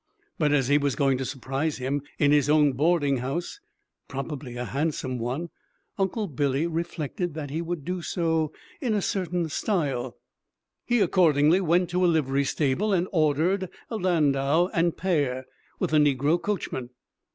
But as he was going to surprise him in his own boarding house probably a handsome one Uncle Billy reflected that he would do so in a certain style. He accordingly went to a livery stable and ordered a landau and pair, with a negro coachman.